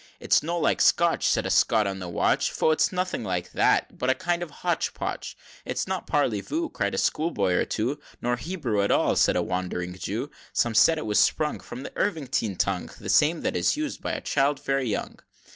"It's no like the Scotch," Said a Scot on the watch, "Pho! it's nothing at all but a kind of hotch potch!" XXVIII. "It's not parly voo," Cried a schoolboy or two, "Nor Hebrew at all," said a wandering Jew. Some held it was sprung From the Irvingite tongue, The same that is used by a child very young.